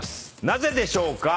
なぜでしょうか？